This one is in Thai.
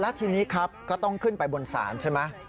ทีนี้ครับก็ต้องขึ้นไปบนศาลใช่ไหม